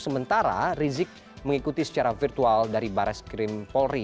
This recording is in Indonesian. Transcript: sementara rizik mengikuti secara virtual dari baris krim polri